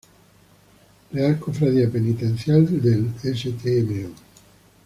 Real Cofradía Penitencial del Stmo.